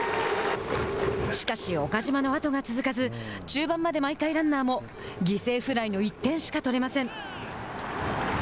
しかし、岡島のあとが続かず中盤まで毎回ランナーも犠牲フライの１点しか取れません。